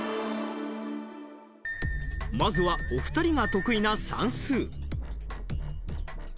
まずはお二人が得意な算数。